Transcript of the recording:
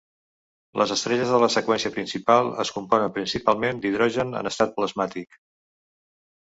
Les estrelles de la seqüència principal es componen principalment d'hidrogen en estat plasmàtic.